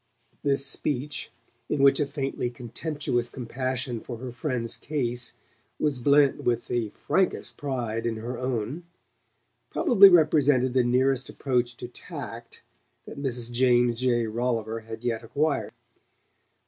This speech, in which a faintly contemptuous compassion for her friend's case was blent with the frankest pride in her own, probably represented the nearest approach to "tact" that Mrs. James J. Rolliver had yet acquired.